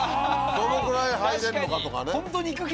どのぐらい入れるのかとかね。